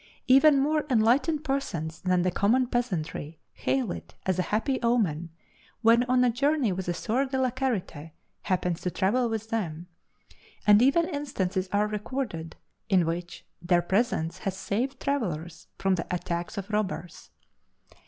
"Even more enlightened persons than the common peasantry hail it as a happy omen when on a journey with a Soeur de la Charite happens to travel with them, and even instances are recorded in which their presence has saved travelers from the attacks of robbers."